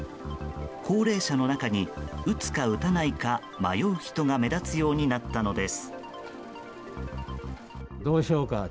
高齢者の中に打つか打たないか迷う人が目立つようになったのです。